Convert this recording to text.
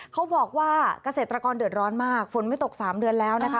เขาบอกว่าเกษตรกรเดือดร้อนมากฝนไม่ตก๓เดือนแล้วนะคะ